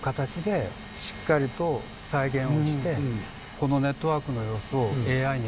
このネットワークの様子を。